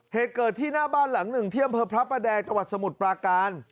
เหตุเกิดที่หน้าบ้านหลังหนึ่งที่อำเภอพระประแดงจังหวัดสมุทรปราการ